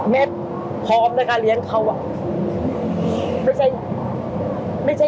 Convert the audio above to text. แมทพร้อมนะคะเลี้ยงเขาอ่ะ